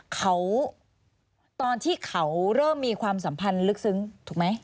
เขาตอนที่เขาเริ่มมีความสัมพันธ์ลึกซึ้งถูกไหม